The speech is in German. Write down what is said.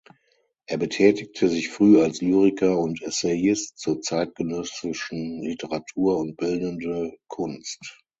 Er betätigte sich früh als Lyriker und Essayist zur zeitgenössischen Literatur und bildende Kunst.